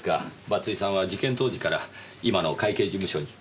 松井さんは事件当時から今の会計事務所に。